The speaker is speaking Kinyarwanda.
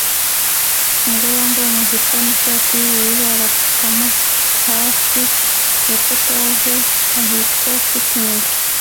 Umugore wambaye amajipo nishati yubururu arapfukama hafi ya POTAGE ahitwa picnic